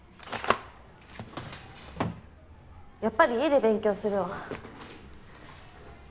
やっぱり家で勉強するわ。